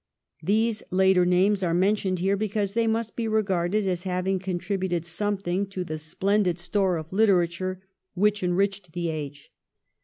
These later names are mentioned here because they must be regarded as having con tributed something to the splendid store of literature which enriched the age.